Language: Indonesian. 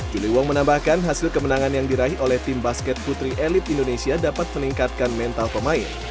juli wong menambahkan hasil kemenangan yang diraih oleh tim basket putri elit indonesia dapat meningkatkan mental pemain